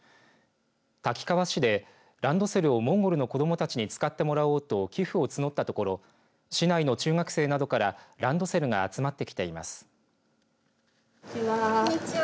滝川市でランドセルをモンゴルの子どもたちに使ってもらおうと寄付を募ったところ市内の中学生などからランドセルが集まってきています。